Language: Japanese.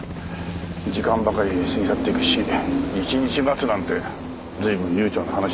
時間ばかりが過ぎ去っていくし１日待つなんて随分悠長な話です。